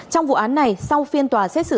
trong vụ án này sau phiên tòa xét xử